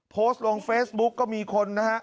โพสต์ลงเฟซบุ๊กก็มีคนนะฮะ